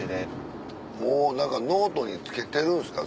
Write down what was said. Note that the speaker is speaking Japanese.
もうノートにつけてるんですか？